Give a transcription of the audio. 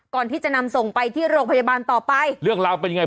ก่อนที่จะนำส่งไปที่โรงพยาบาลต่อไปเรื่องราวเป็นยังไง